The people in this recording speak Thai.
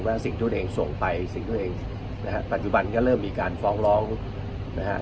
ว่าสิ่งทุกคนเองส่งไปสิ่งทุกคนเองนะครับปัจจุบันก็เริ่มมีการฟ้องร้องนะครับ